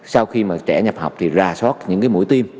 sau khi mà trẻ nhập học thì ra sót những cái mũi tiêm